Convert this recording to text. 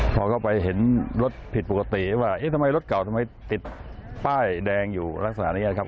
พอเข้าไปเห็นรถผิดปกติว่าเอ๊ะทำไมรถเก่าทำไมติดป้ายแดงอยู่ลักษณะนี้ครับ